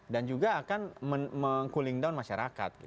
dan juga akan meng cooling down masyarakat